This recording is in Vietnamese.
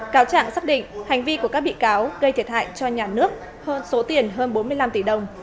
cáo trạng xác định hành vi của các bị cáo gây thiệt hại cho nhà nước hơn số tiền hơn bốn mươi năm tỷ đồng